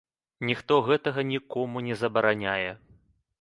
Ніхто гэтага нікому не забараняе.